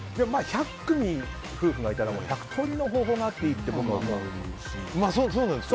１００組夫婦がいたら１００通りの方法があっていいと僕は思うし。